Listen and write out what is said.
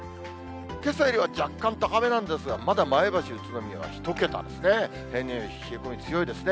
けさよりは若干高めなんですが、まだ前橋、宇都宮は１桁ですね。